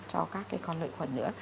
cho các cái con lợi khuẩn nữa